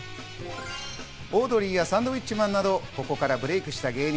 オードリーやサンドウィッチマンなど、ここからブレイクした芸人